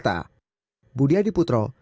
dan juga di twitter